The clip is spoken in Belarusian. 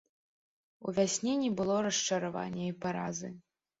У вясне не было расчаравання і паразы.